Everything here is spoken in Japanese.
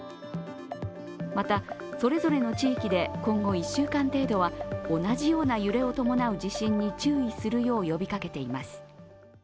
また、それぞれの地域で今後１週間程度は同じような揺れを伴う地震に注意するよう呼びかけています。